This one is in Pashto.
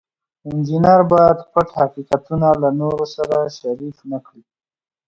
انجینر باید پټ حقیقتونه له نورو سره شریک نکړي.